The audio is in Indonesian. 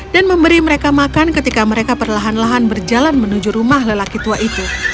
memberi mereka makan ketika mereka perlahan lahan berjalan menuju rumah lelaki tua itu